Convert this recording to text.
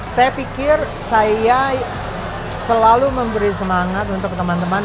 saya pikir saya selalu memberi semangat untuk teman teman